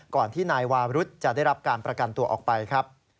ก่อนที่นายวารุธจะได้รับการประกันตัวออกไปครับ